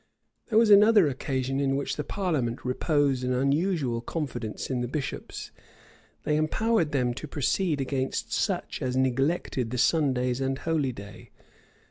[*] There was another occasion in which the parliament reposed an unusual confidence in the bishops. They empowered them to proceed against such as neglected the Sundays and holy day.